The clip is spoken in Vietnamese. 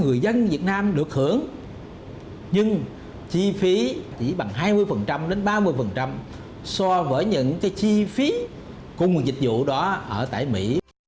người dân việt nam được hưởng nhưng chi phí chỉ bằng hai mươi đến ba mươi so với những cái chi phí cung dịch vụ đó ở tại mỹ